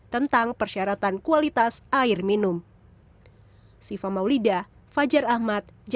tentang persyaratan kualitas air minum